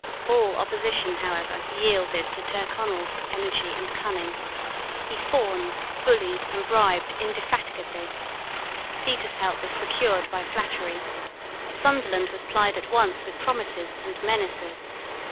All opposition, however, yielded to Tyrconnel's energy and cunning. He fawned, bullied, and bribed indefatigably. Petre's help was secured by flattery. Sunderland was plied at once with promises and menaces.